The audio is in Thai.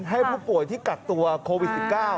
ให้ผู้ป่วยที่กักตัวโควิด๑๙